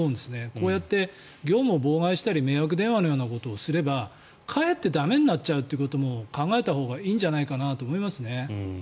こうやって業務を妨害したり迷惑電話のようなことをしたらかえって駄目になっちゃうということも考えたほうがいいんじゃないかと思いますね。